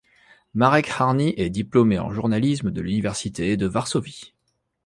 Marek Harny est diplômé en journalisme de l'Université de Varsovie.